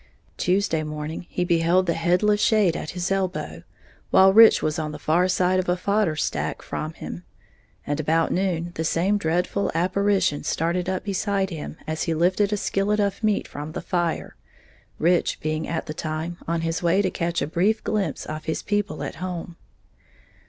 Tuesday morning he beheld the headless shade at his elbow, while Rich was on the far side of a fodder stack from him; and about noon, the same dreadful apparition started up beside him as he lifted a skillet of meat from the fire, Rich being at the time on his way to catch a brief glimpse of his people at home.